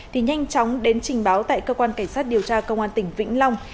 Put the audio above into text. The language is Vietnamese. thì nhanh chóng đến trình báo tại cơ quan cảnh sát điều tra công an tỉnh vĩnh long